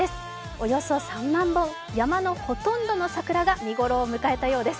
およそ３万本、山のほとんどの桜が見頃を迎えたようです。